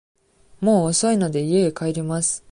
もう遅いので、家へ帰ります。